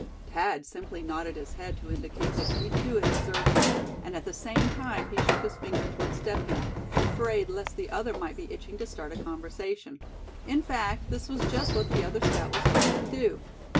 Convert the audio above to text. Thad simply nodded his head to indicate that he too had observed them; and at the same time he shook his finger toward Step Hen, afraid lest the other might be itching to start a conversation. In fact, this was just what the other scout was hoping to do.